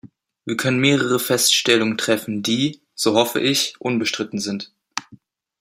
Wir können mehrere Feststellungen treffen, die, so hoffe ich, unbestritten sind.